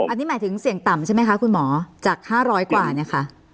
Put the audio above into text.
อันนี้หมายถึงเสี่ยงต่ำใช่ไหมคะคุณหมอจาก๕๐๐กว่าเนี่ยค่ะ